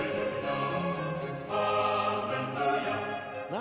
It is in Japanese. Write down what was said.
何？